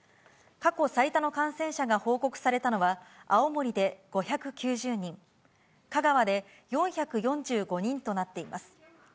過去最多の感染者が報告されたのは、青森で５９０人、香川で４４５人となっています。